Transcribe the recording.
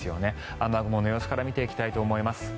雨雲の様子から見ていきたいと思います。